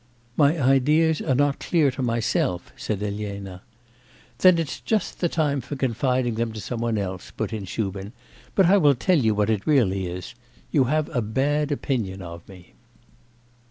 'My ideas are not clear to myself,' said Elena. 'Then it's just the time for confiding them to some one else,' put in Shubin. 'But I will tell you what it really is. You have a bad opinion of me.